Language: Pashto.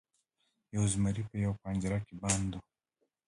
یو زمری په یوه پنجره کې بند و.